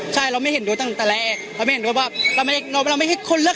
ก็ยังไม่อยู่แต่เคสอีกแล้วอะไรอย่างเงี้ยมันก็กลับกัน